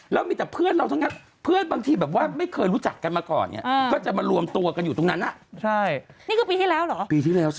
เธอมีชื่อเสียงขึ้นแบบระดับภาพประเทศ